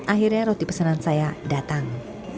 akhirnya roti pesanan saya datang